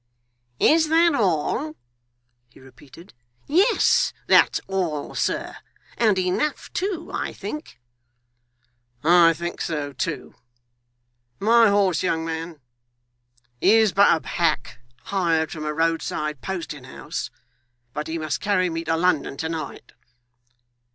'Is that all?' he repeated, 'yes, that's all, sir. And enough too, I think.' 'I think so too. My horse, young man! He is but a hack hired from a roadside posting house, but he must carry me to London to night.